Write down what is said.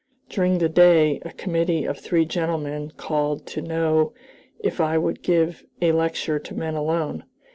During the day a committee of three gentlemen called to know if I would give a lecture to men alone.